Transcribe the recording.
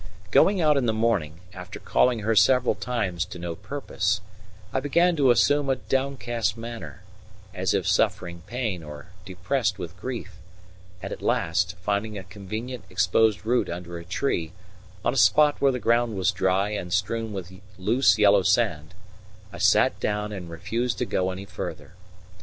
Going out in the morning, after calling her several times to no purpose, I began to assume a downcast manner, as if suffering pain or depressed with grief; and at last, finding a convenient exposed root under a tree, on a spot where the ground was dry and strewn with loose yellow sand, I sat down and refused to go any further.